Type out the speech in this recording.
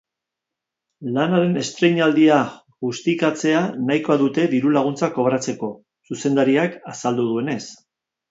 Lanaren estreinaldia justikatzea nahikoa dute diru-laguntzak kobratzeko, zuzendariak azaldu duenez.